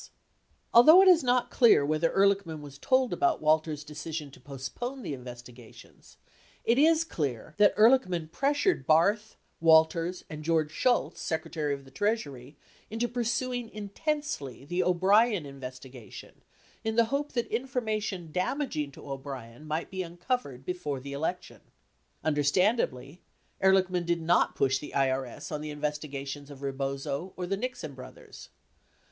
Although it is not clear whether Ehrlichman was told about Wal ters' decision to postpone the investigations, it is clear that Ehrlich man pressured Barth, Walters, and George Shultz, Secretary of the Treasury, into pursuing intensely the O'Brien investigation in the hope that information damaging to O'Brien might be uncovered be fore the election. Understandably, Ehrlichman did not push the IRS on the investigations of Rebozo or the Nixon brothers.